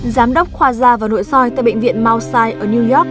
giám đốc khoa gia và nội soi tại bệnh viện mountside ở new york